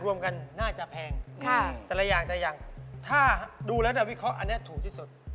รวมกันน่าจะแพงแต่ละอย่างแต่ละอย่างถ้าดูแล้วจะวิเคราะห์อันนี้ถูกที่สุด